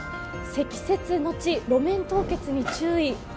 積雪のち、路面凍結に注意。